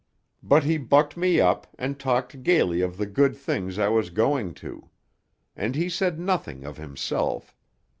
But he bucked me up and talked gaily of the good things I was going to. And he said nothing of himself.